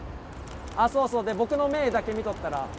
そうそう、僕の目だけ見とったら。